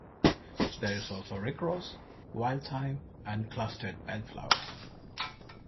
There is also Rock Rose, Wild Thyme, and Clustered Bellflower.